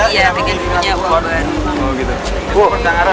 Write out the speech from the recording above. iya ingin punya uang baru